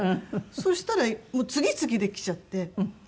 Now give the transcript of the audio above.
そしたらもう次々できちゃって。